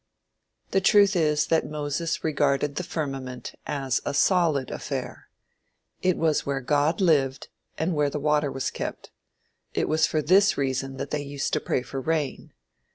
The truth is that Moses regarded the firmament as a solid affair. It was where God lived, and where water was kept. It was for this reason that they used to pray for rain.